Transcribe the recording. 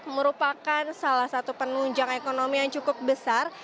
merupakan salah satu penunjang ekonomi yang cukup besar